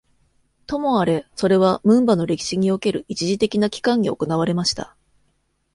ともあれ、それはムンバの歴史における一時的な期間に行われました。